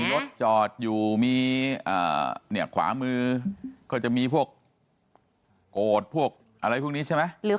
รถจอดอยู่มีเนี่ยขวามือก็จะมีพวกโกรธพวกอะไรพวกนี้ใช่ไหม